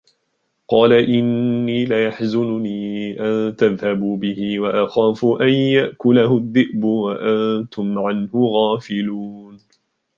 قَالَ إِنِّي لَيَحْزُنُنِي أَنْ تَذْهَبُوا بِهِ وَأَخَافُ أَنْ يَأْكُلَهُ الذِّئْبُ وَأَنْتُمْ عَنْهُ غَافِلُونَ